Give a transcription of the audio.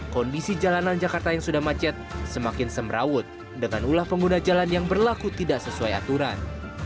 kondisi jalanan jakarta yang sudah macet semakin semrawut dengan ulah pengguna jalan yang berlaku tidak sesuai aturan